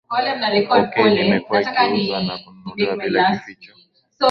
Cocaine imekuwa ikiuzwa na kununuliwa bila kificho